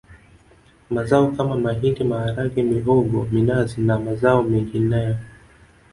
Mazao kama mahindi maharage mihogo minazi na mazao mengineyoâŠ